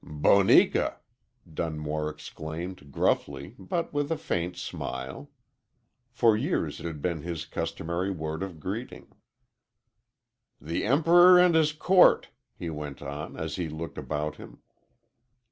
"Boneka!" Dunmore exclaimed, gruffly, but with a faint smile. For years it had been his customary word of greeting. "The Emperor and his court!" he went on, as he looked about him.